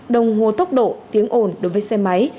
đồng hồ tốc độ tiếng ồn đối với xe máy